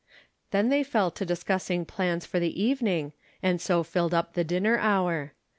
Then they fell to discussing plans for the even ing, and so filled up the dinner hour.